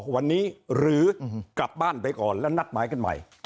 วันนี้หรือกลับบ้านไปก่อนแล้วนัดหมายกันใหม่